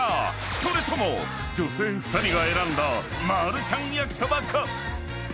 ［それとも女性２人が選んだマルちゃん焼そばか？］